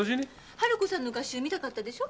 春子さんの画集見たかったでしょ？